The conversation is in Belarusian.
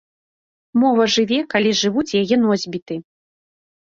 Мова жыве, калі жывуць яе носьбіты.